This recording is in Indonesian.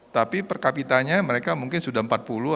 tapi per kapitanya mereka mungkin sudah